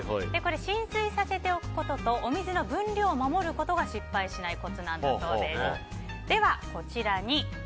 浸水させておくこととお水の分量を守ることが失敗しないコツなんだそうです。